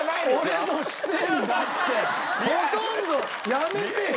ほとんどやめてよ！